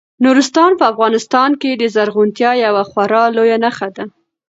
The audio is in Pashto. نورستان په افغانستان کې د زرغونتیا یوه خورا لویه نښه ده.